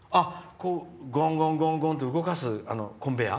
ゴンゴンゴンゴンって動かすコンベア？